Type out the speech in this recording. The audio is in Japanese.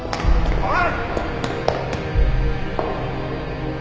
おい！